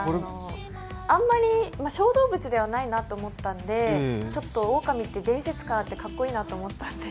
あんまり小動物ではないなと思ったんでちょっとオオカミって伝説感があってかっこいいなと思って。